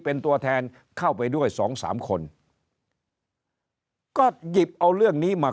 เป็นตัวแทนเข้าไปด้วยสองสามคนก็หยิบเอาเรื่องนี้มา